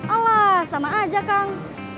alah sama aja kang